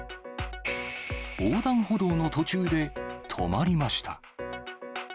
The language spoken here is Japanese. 横断歩道の途中で止まりました。